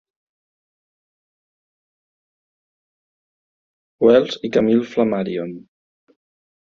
Wells i Camille Flammarion.